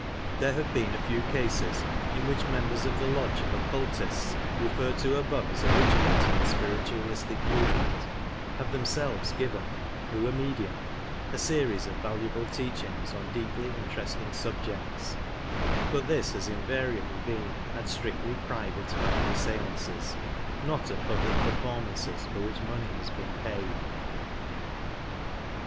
There have been a few cases in which members of the lodge of occultists referred to above as originating the spirit ualistic movement have themselves given, through a medium, a series of valuable teachings on deeply interesting subjects, but this has invariably been at strictly private family skances^ not at public performances for which money has been paid.